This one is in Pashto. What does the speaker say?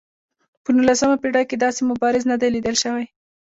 په نولسمه پېړۍ کې داسې مبارز نه دی لیدل شوی.